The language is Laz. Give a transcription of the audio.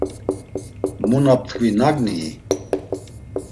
Mu na ptkvi nagnii?